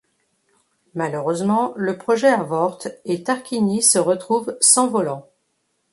Malheureusement le projet avorte et Tarquini se retrouve sans volant.